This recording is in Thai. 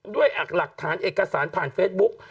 ด้วยหลักฐานเอกสารผ่านเฟซบุ๊ก